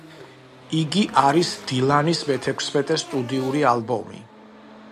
იგი არის დილანის მეთექვსმეტე სტუდიური ალბომი.